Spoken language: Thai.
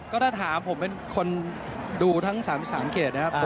ก็ถ้าถามผมเป็นคนดูทั้ง๓๓เขตนะครับ